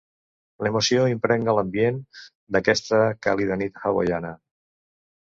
L'emoció impregna l'ambient d'aquesta càlida nit hawaiana.